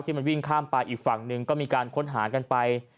มันวิ่งข้ามไปอีกฝั่งหนึ่งก็มีการค้นหากันไป